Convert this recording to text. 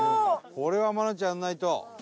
これは愛菜ちゃんやらないと。